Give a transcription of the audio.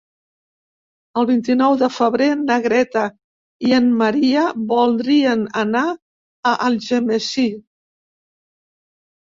El vint-i-nou de febrer na Greta i en Maria voldrien anar a Algemesí.